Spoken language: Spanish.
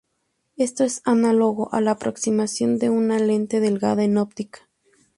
Esto es análogo a la aproximación de una lente delgada en óptica.